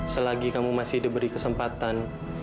selagi kamu masih diberi kesempatan